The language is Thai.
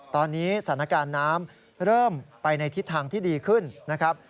ตอนนี้สถานการณ์น้ำเริ่มไปในทิศทางที่ดีขึ้นนะครับ